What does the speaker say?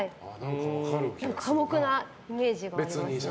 寡黙なイメージがあります。